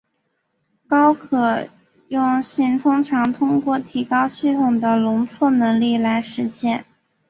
高可用性通常通过提高系统的容错能力来实现。